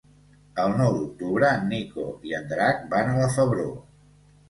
El nou d'octubre en Nico i en Drac van a la Febró.